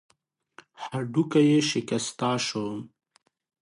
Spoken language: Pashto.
هډوکی يې شکسته شو.